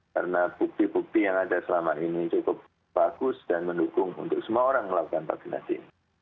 karena bukti bukti yang ada selama ini cukup bagus dan mendukung untuk semua orang yang melakukan vaksinasi